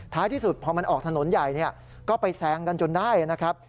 ที่สุดพอมันออกถนนใหญ่ก็ไปแซงกันจนได้นะครับ